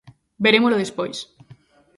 Verémolo despois.